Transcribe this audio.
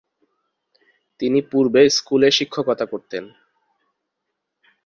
তিনি পূর্বে স্কুলে শিক্ষকতা করতেন।